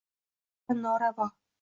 bari noravo